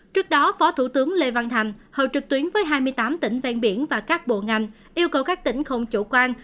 trước đó phó thủ tướng lê văn thành hầu trực tuyến với hai mươi tám tỉnh ven biển và các bộ ngành yêu cầu các tỉnh không chủ quan